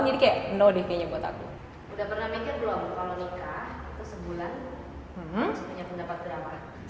udah pernah mikir belum kalo nikah itu sebulan harus punya pendapat berapa